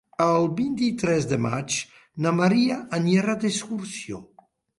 El vint-i-tres de maig na Maria anirà d'excursió.